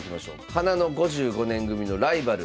花の５５年組のライバル